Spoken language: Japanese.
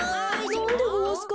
なんでごわすか？